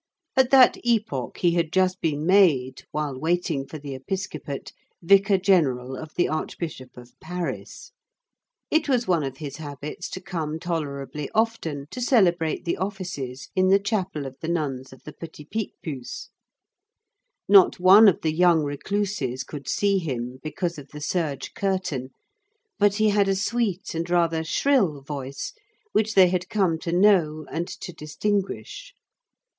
At that epoch he had just been made, while waiting for the episcopate, vicar general of the Archbishop of Paris. It was one of his habits to come tolerably often to celebrate the offices in the chapel of the nuns of the Petit Picpus. Not one of the young recluses could see him, because of the serge curtain, but he had a sweet and rather shrill voice, which they had come to know and to distinguish.